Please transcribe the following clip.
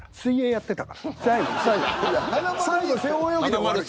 最後背泳ぎで終わる。